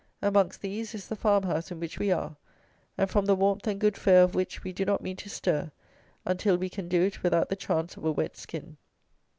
Amongst these is the farmhouse in which we are, and from the warmth and good fare of which we do not mean to stir until we can do it without the chance of a wet skin.